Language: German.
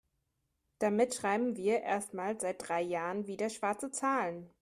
Damit schreiben wir erstmals seit drei Jahren wieder schwarze Zahlen.